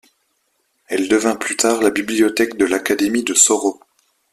Elle devint plus tard la bibliothèque de l'Académie de Soro.